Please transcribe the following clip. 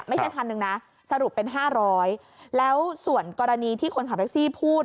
ไม่ใช่พันหนึ่งนะสรุปเป็น๕๐๐แล้วส่วนกรณีที่คนขับแท็กซี่พูด